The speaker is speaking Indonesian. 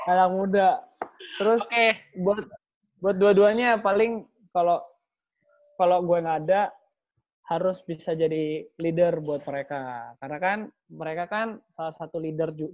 anak muda terus buat dua duanya paling kalo gua ga ada harus bisa jadi leader buat mereka karena kan mereka kan salah satu leader juga